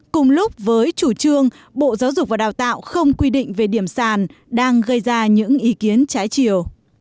cùng lúc với chủ trương bộ giáo dục và đào tạo không quy định về điểm sàn đang gây ra những ý kiến trái chiều